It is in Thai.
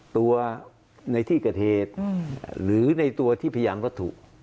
ตัวในที่เกิดเหตุหรือในตัวที่พยานวัตถุ